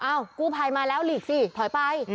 กู้ภัยมาแล้วหลีกสิถอยไป